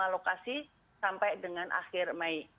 dua puluh lima lokasi sampai dengan akhir mei